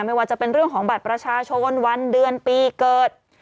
ไม่ว่าจะเป็นเรื่องของบัตรประชาชนวันเดือนปีเกิด